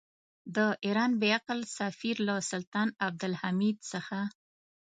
د ایران بې عقل سفیر له سلطان عبدالحمید څخه.